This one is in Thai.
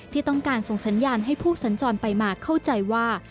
ที่ต้องการส่งสัญญาณให้ผู้สัญจรไปมาเข้าใจว่า